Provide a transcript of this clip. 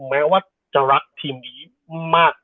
แม้ว่าจะรักทีมนี้มาก